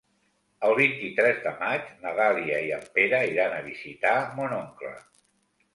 El vint-i-tres de maig na Dàlia i en Pere iran a visitar mon oncle.